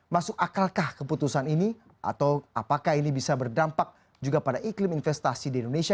masuk akalkah keputusan ini atau apakah ini bisa berdampak juga pada iklim investasi di indonesia